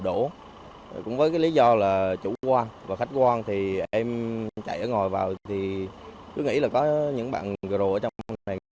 cái lỗ đậu đổ cũng với cái lý do là chủ quan và khách quan thì em chạy ngồi vào thì cứ nghĩ là có những bạn gồm ở trong sân bay